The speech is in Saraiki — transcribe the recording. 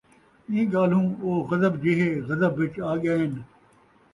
اِیں ڳالھوں او غضب جیہے غضب وِچ آڳیئن،